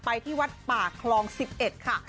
ที่วัดป่าคลอง๑๑ค่ะ